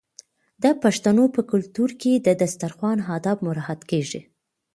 د پښتنو په کلتور کې د دسترخان اداب مراعات کیږي.